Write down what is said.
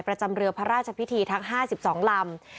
ประจำเรือพระราชพิธีทั้ง๕๒ลำ